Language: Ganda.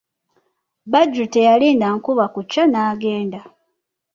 Badru teyalinda nkuba kukya n'agenda.